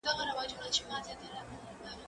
زه پرون سفر کوم؟!